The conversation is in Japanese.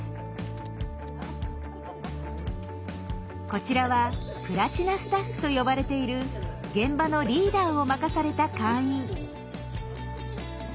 こちらはプラチナスタッフと呼ばれている現場のリーダーを任された会員。